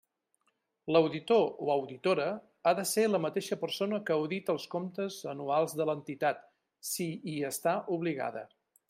L'auditor o auditora ha de ser la mateixa persona que audita els comptes anuals de l'entitat, si hi està obligada.